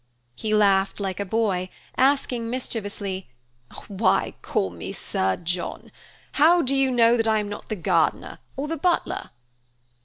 He laughed like a boy, asking, mischievously, "Why call me Sir John? How do you know that I am not the gardener or the butler?"